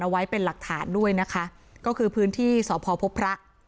ไว้เป็นหลักฐานด้วยนะคะก็คือพื้นที่สพพบพระ